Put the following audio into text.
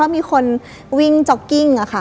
มีคนวิ่งจ็อกกิ้ง